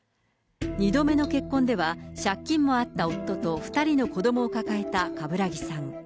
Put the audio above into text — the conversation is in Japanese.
２度目の結婚では借金もあった夫と、２人の子どもを抱えた冠木さん。